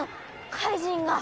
かいじんが。